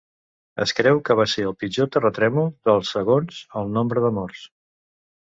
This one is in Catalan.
Es creu que va ser el pitjor terratrèmol del segons el nombre de morts.